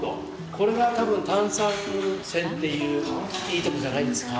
これが多分炭酸泉っていういいとこじゃないですか。